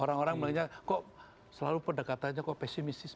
orang orang mulai nanya kok selalu pendekatannya kok pesimisis